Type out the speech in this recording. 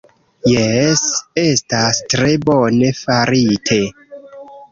Jes, estas tre bone farite